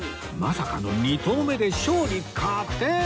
まさかの２投目で勝利確定！